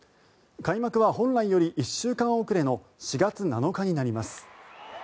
開幕は本来より１週間遅れの４月７日になります。